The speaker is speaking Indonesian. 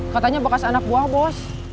katanya bekas anak buah bos